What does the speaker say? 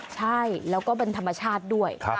ใช่แล้วก็เป็นธรรมชาติด้วย